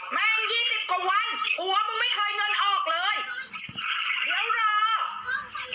แม่งยี่สิบกว่าวันหัวมึงไม่เคยเงินออกเลยเดี๋ยวรอเดี๋ยวสี่มงเย็นเดี๋ยวหนึ่งทุ่ม